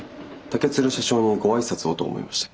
竹鶴社長にご挨拶をと思いまして。